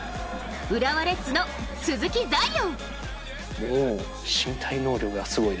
浦和レッズの鈴木彩艶！